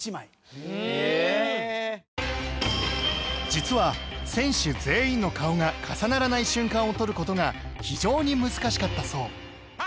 実は選手全員の顔が重ならない瞬間を撮る事が非常に難しかったそう